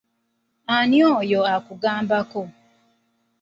Ani oyo akugambako?